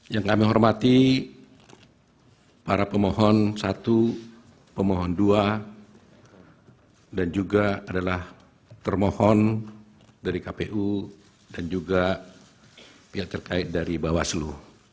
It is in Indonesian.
yang kami hormati para pemohon satu pemohon dua dan juga adalah termohon dari kpu dan juga pihak terkait dari bawaslu